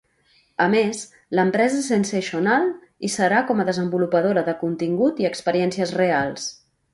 A més, l'empresa SensationALL hi serà com a desenvolupadora de contingut i experiències reals.